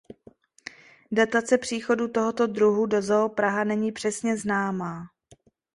Datace příchodu tohoto druhu do Zoo Praha není přesně známá.